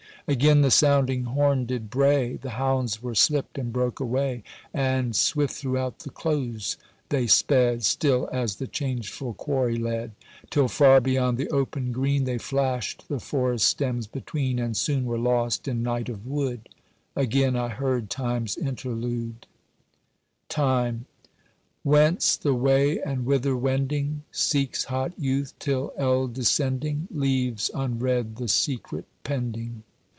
Again the sounding horn did bray, The hounds were slipt and broke away, And swift throughout the close they sped, Still as the changeful quarry led; Till far beyond the open green They flashed the forest stems between, And soon were lost in night of wood. Again I heard Time's interlude:— TIME Whence the way and whither wending? Seeks hot youth, till eld descending, Leaves unread the secret pending.